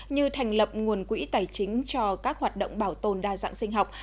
như thành lập nguồn quỹ tài chính cho các hoạt động bảo tồn đa dạng sinh học